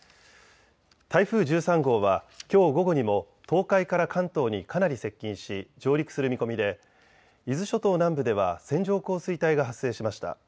台風１３号はきょう午後にも東海から関東にかなり接近し上陸する見込みで伊豆諸島南部では線状降水帯が発生しました。